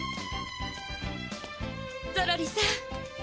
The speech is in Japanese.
ゾロリさん。